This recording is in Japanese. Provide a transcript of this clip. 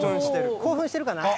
興奮してるかな。